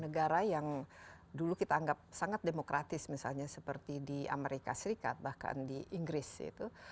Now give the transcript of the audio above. negara yang dulu kita anggap sangat demokratis misalnya seperti di amerika serikat bahkan di inggris itu